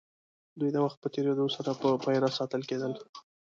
دوی د وخت په تېرېدو سره په پېره ساتل کېدل.